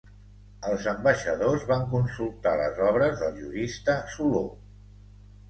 Els ambaixadors van consultar les obres del jurista Soló.